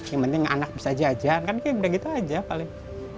yang penting anak bisa jajan kan kayak udah gitu aja paling